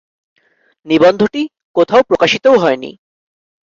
নিবন্ধটি কোথাও প্রকাশিতও হয়নি।